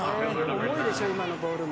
重いでしょう、今のボールも。